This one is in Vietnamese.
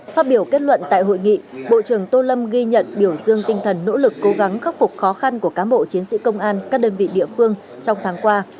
phát biểu kết luận tại hội nghị bộ trưởng tô lâm ghi nhận biểu dương tinh thần nỗ lực cố gắng khắc phục khó khăn của cán bộ chiến sĩ công an các đơn vị địa phương trong tháng qua